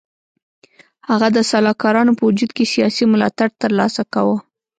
هغه د سلاکارانو په وجود کې سیاسي ملاتړ تر لاسه کاوه.